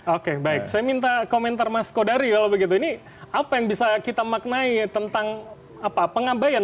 oke baik saya minta komentar mas kodari kalau begitu ini apa yang bisa kita maknai tentang pengambayan